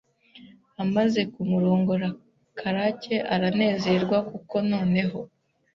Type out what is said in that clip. Amaze kumurongora Karake aranezerwa kuko noneho